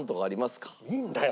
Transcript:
いいんだよ